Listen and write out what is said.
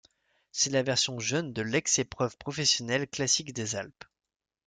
C'est la version jeunes de l'ex épreuve professionnelle Classique des Alpes.